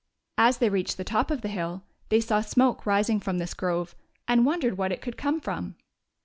As they reached the top of the hill, they saw smoke rising from this grove, and won dered what it could come from.